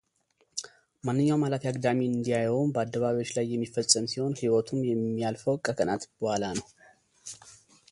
ማንኛውም አላፊ አግዳሚ እንዲያየውም በአደባባዮች ላይ የሚፈጸም ሲሆን ሕይወቱም የሚያልፈው ከቀናት በኋላ ነው።